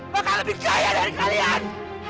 makan lebih kaya dari kalian